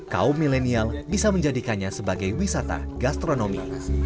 kaum milenial bisa menjadikannya sebagai wisata gastronomi